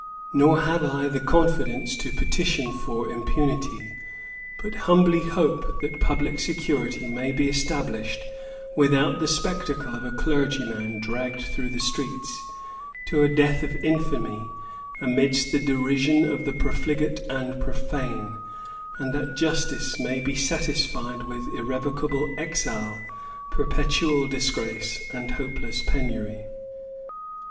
Nor have I the confidence to petition for impunity; but humbly hope, that publick security may be established, without the spectacle of a clergyman dragged through the streets, to a death of infamy, amidst the derision of the profligate and profane; and that justice may be satisfied with irrevocable exile, perpetual disgrace, and hopeless penury.